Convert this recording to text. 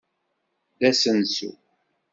D asensu.